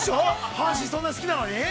阪神、そんなに好きなのに。